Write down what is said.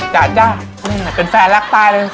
จ้ะจ้ะเป็นแฟนรักตายเลย